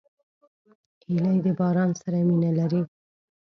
هیلۍ د باران سره مینه لري